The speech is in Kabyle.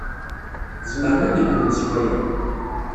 Tzemrem ad d-telhum s waya.